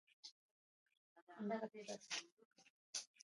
مرسته ښه ده.